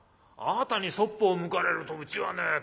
あなたにそっぽを向かれるとうちはね